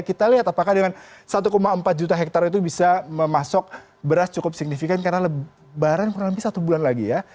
kita lihat apakah dengan satu empat juta hektare itu bisa memasok beras cukup signifikan karena lebaran kurang lebih satu bulan lagi ya